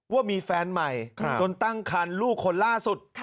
ว่ามีแฟนใหม่จนตั้งคันลูกคนล่าสุด